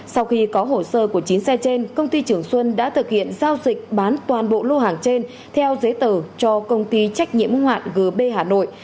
sau khi có hồ sơ của chín xe trên công ty trường xuân đã thực hiện giao dịch bán toàn bộ lô hàng trên theo giấy tờ cho công ty trách nhiệm hoạn gb hà nội